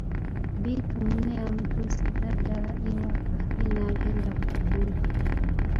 Bittu munne yamutusiza ddala ewaka , ye n'agenda ku dduuka.